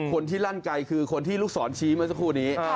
คนที่ลั่นไกลคือคนที่ลูกศรชี้เมื่อสักครู่นี้